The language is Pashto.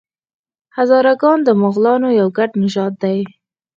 هزاره ګان د مغولانو یو ګډ نژاد دی.